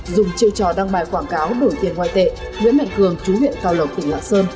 dùng chiêu trò đăng bài quảng cáo đổi tiền ngoại tệ nguyễn mạnh cường chú huyện cao lộc tp hcm